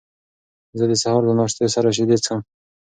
زه د سهار له ناشتې سره شیدې څښم.